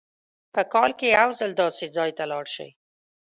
په کال کې یو ځل داسې ځای ته لاړ شئ.